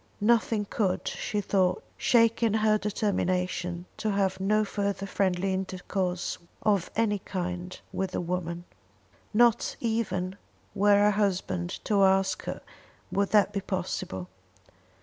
Nothing could, she thought, shake her in her determination to have no further friendly intercourse of any kind with the woman. Not even were her husband to ask her would that be possible.